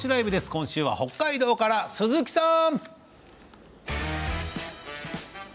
今週は北海道から鈴木さん！